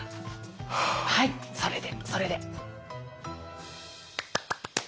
はいそれでそれで。